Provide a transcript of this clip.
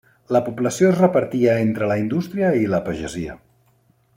La població es repartia entre la indústria i la pagesia.